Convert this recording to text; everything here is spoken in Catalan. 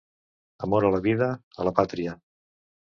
amor a la vida, a la pàtria